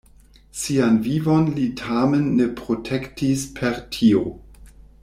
Sian vivon li tamen ne protektis per tio.